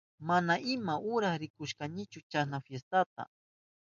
Mana ima uras rikushkanichu chasna fiestata.